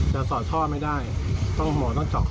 แต่สอดท่อไม่ได้ต้องข้อหัวต้องเฉากคอ